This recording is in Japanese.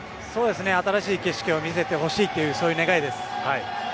新しい景色を見せてほしいという願いです。